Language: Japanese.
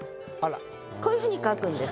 こういうふうに書くんです。